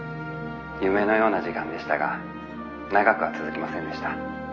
夢のような時間でしたが長くは続きませんでした。